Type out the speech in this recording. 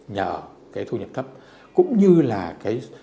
nhờ cái thu nhập thấp cũng như là cái